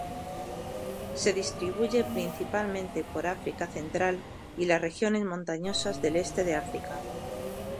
Se distribuye principalmente por África Central y las regiones montañosas del este de África.